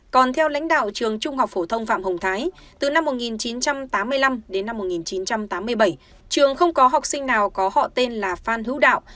còn theo lãnh đạo trường trung học phổ thông phạm hồng thái từ năm một nghìn chín trăm tám mươi năm đến năm một nghìn chín trăm tám mươi bảy trường không có học sinh nào có họ tên là phan hữu đạo